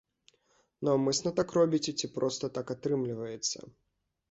Наўмысна так робіце, ці проста так атрымліваецца?